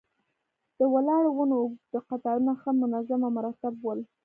د ولاړو ونو اوږد قطارونه ښه منظم او مرتب ول.